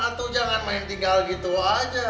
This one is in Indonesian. atau jangan main tinggal gitu aja